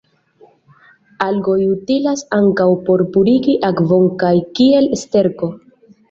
Algoj utilas ankaŭ por purigi akvon kaj kiel sterko.